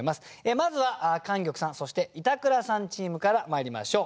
まずは莟玉さんそして板倉さんチームからまいりましょう。